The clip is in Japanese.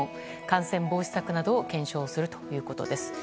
感染防止策などを検証するということです。